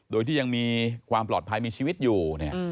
โดยที่ยังมีความปลอดภัยมีชีวิตอยู่